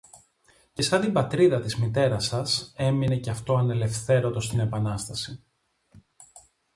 Και σαν την πατρίδα της Μητέρας σας, έμεινε και αυτό ανελευθέρωτο στην Επανάσταση.